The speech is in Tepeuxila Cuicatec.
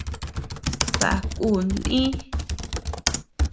Baʼa kun lï.